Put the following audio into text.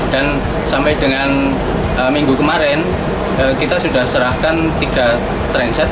dan sampai dengan minggu kemarin kita sudah serahkan tiga train set